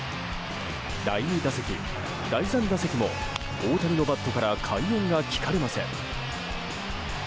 第２打席、第３打席も大谷のバットから快音が聞かれません。